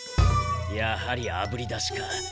やはりあぶり出しか。